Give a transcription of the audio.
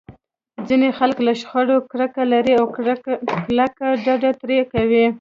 ځينې خلک له شخړې کرکه لري او کلکه ډډه ترې کوي.